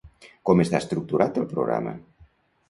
Com està estructurat el programa?